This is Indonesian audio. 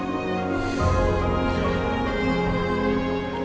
kita harus menolong